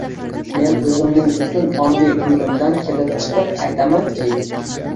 Men o‘zimning butun ongli umrimdan kelib chiqib aytamanki